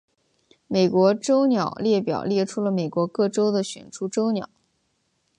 美国州鸟列表列出了美国各州的选出州鸟。